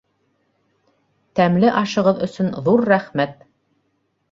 Тәмле ашығыҙ өсөн ҙур рәхмәт!